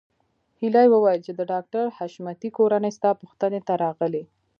هيلې وویل چې د ډاکټر حشمتي کورنۍ ستا پوښتنې ته راغلې